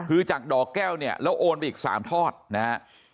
คือจากดอกแก้วเนี่ยแล้วโอนไปอีก๓ทอดนะฮะ